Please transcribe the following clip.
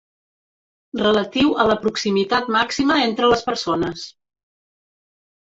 Relatiu a la proximitat màxima entre les persones.